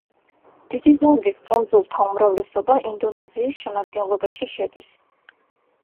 დიდი ზონდის კუნძულთა უმრავლესობა ინდონეზიის შემადგენლობაში შედის.